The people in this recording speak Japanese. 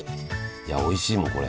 いやおいしいもんこれ。